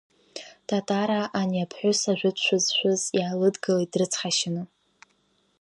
Татараа ани аԥҳәыс, ажәытә шәы зшәыз, иаалыдгылеит дрыцҳашьаны.